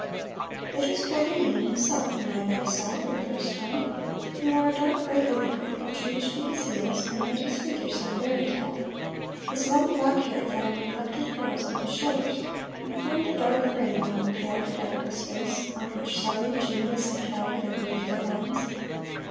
It was Paganini himself whom I then saw for the first time. He wore a dark gray overcoat, which reached to his heels, and made his figure seem very tall. His long black hair fell in neglected curls on his shoulders, and formed a dark frame round the pale, cadaverous face, on which sorrow, genius and hell had engraved their lines.